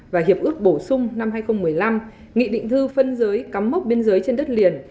và hiệp ước bổ sung năm hai nghìn một mươi năm nghị định thư phân giới cắm mốc biên giới trên đất liền